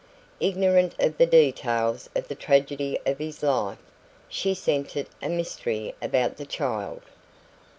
Ignorant of the details of the tragedy of his life, she scented a mystery about the child.